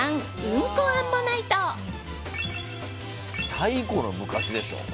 太古の昔でしょ？